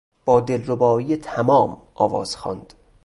با دلربایی تمام آواز خواند.